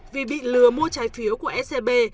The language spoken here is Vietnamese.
vì bị lừa mua trái phiếu của scb